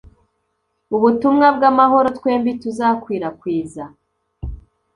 ubutumwa bwamahoro twembi tuzakwirakwiza